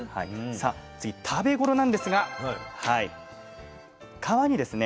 さあ次食べ頃なんですが皮にですね